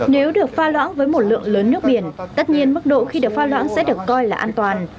nếu được pha loãng với một lượng lớn nước biển tất nhiên mức độ khi được pha loãng sẽ được coi là an toàn